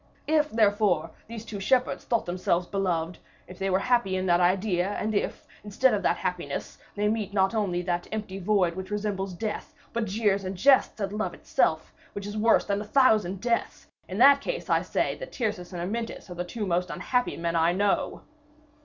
If, therefore, these two shepherds thought themselves beloved, if they were happy in that idea, and if, instead of that happiness, they meet not only that empty void which resembles death, but jeers and jests at love itself, which is worse than a thousand deaths, in that case, I say that Tyrcis and Amyntas are the two most unhappy men I know."